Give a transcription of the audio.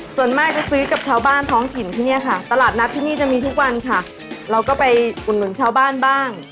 ส่วนมากจะซื้อกับชาวบ้านท้องถิ่นที่เนี่ยค่ะตลาดนัดที่นี่จะมีทุกวันค่ะเราก็ไปอุดหนุนชาวบ้านบ้าง